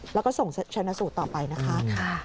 แล้วก็ส่งชนะสูตรต่อไปนะคะ